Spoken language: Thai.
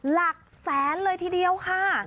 หลักแสนเลยทีเดียวค่ะ